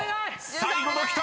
［最後の１人！］